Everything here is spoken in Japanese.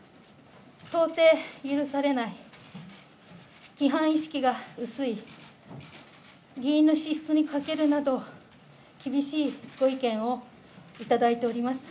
到底許されない、規範意識が薄い、議員の資質に欠けるなど、厳しいご意見を頂いております。